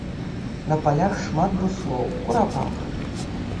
На палях шмат буслоў, курапатак.